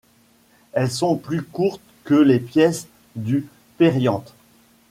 Elles sont plus courtes que les pièces du périanthe.